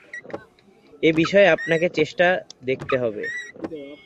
এ বিষয়ে আপনাকে চেষ্টা দেখতে হবে।